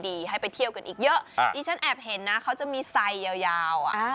ให้ไปเที่ยวกันอีกเยอะดิฉันแอบเห็นนะเขาจะมีไซยาวอ่ะ